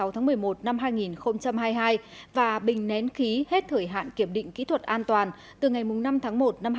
từ ngày năm tháng một mươi một năm hai nghìn hai mươi hai và bình nén khí hết thời hạn kiểm định kỹ thuật an toàn từ ngày năm tháng một năm hai nghìn hai mươi bốn